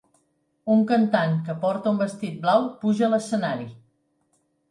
Un cantant que porta un vestit blau puja a l'escenari.